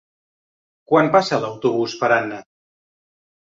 Quan passa l'autobús per Anna?